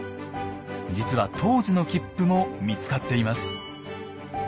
実は当時の切符も見つかっています。